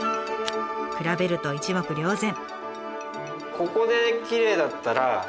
比べると一目瞭然。